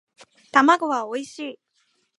卵はおいしい